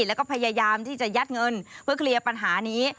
แล้วก็พยายามที่จะยัดเงินเพื่อเคลียร์ปัญหานี้